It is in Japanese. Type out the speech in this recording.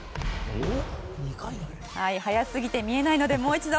速すぎて見えないのでもう一度。